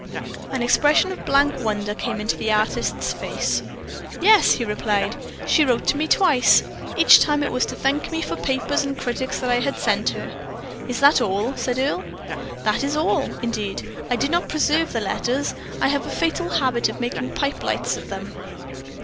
An expression of blank wonder came into the artist's face. "Yes," he replied, "she wrote to me twice; each time it was to thank me for papers and critics that I had sent her." "That is all?" said Earle. "That is all, indeed. I did not preserve the letters. I have a fatal habit of making pipe lights of them."